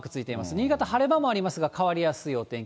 新潟、晴れ間もありますが、変わりやすいお天気。